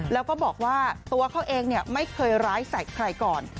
แล้วก็บอกว่าตัวเขาเองไม่เคยร้ายใส่ใครก่อน